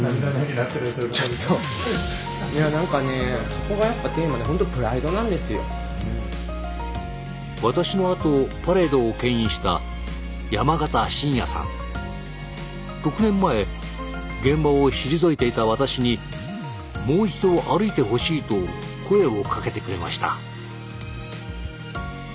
そこがやっぱテーマで私のあとパレードをけん引した６年前現場を退いていた私にもう一度歩いてほしいと声をかけてくれました。